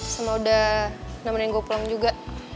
sama udah nemenin gue plong juga